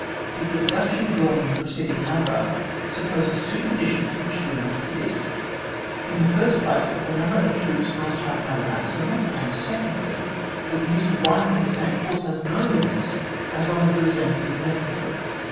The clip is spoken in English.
But the deduction drawn in the preceding number supposes two condi tions wluch do not exist; in the first place, that the number (of troops) must have no maximum ; and, secondly, that the use of one and the same force has no limits as long as there is anything left of it.